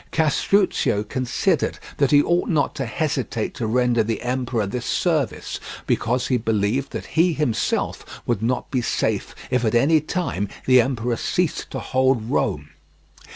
Castruccio considered that he ought not to hesitate to render the emperor this service, because he believed that he himself would not be safe if at any time the emperor ceased to hold Rome.